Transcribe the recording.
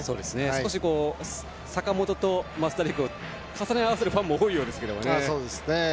少し、坂本と増田陸を重ね合わせるファンも多いようですが。